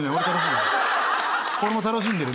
俺も楽しんでる。